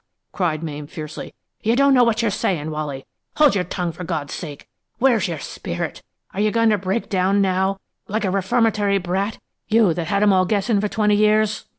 cried Mame, fiercely. "You don't know what you're sayin'. Wally, hold your tongue for God's sake! Where's your spirit? Are you goin' to break down now like a reformatory brat, you that had 'em all guessin' for twenty years!"